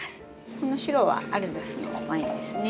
この白はアルザスのワインですね。